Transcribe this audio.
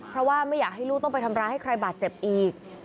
เพราะว่าไม่อยากให้ลูกต้องไปทำร้ายให้ใครบาดเจ็บอีก